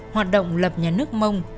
hoạt động lập nhà nước mông